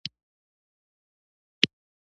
کندز سیند د افغانانو د تفریح یوه وسیله ده.